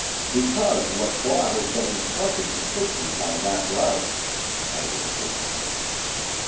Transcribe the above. "Because Lacroix has been instructed to take me by that route," I answered.